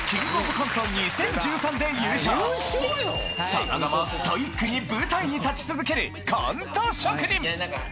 その後もストイックに舞台に立ち続けるコント職人